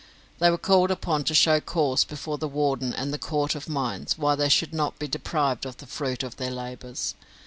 They were called upon to show cause before the warden and the Court of Mines why they should not be deprived of the fruit of their labours.